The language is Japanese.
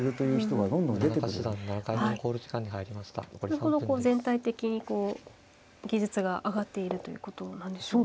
それほど全体的にこう技術が上がっているということなんでしょうか。